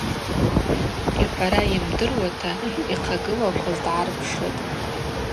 Йхӏвара йымдыруата йхъагылакваз дгӏарпшытӏ.